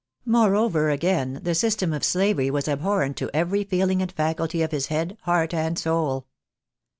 Moreover, again, the system of slavery was abhorrent to every feeling and faculty of his head, heart, and soul.